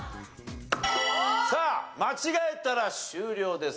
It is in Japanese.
さあ間違えたら終了です。